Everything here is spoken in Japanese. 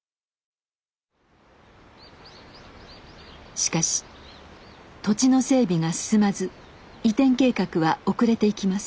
しかし土地の整備が進まず移転計画は遅れていきます。